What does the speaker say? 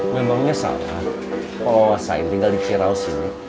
memangnya salah kalau asahin tinggal di kiraus ini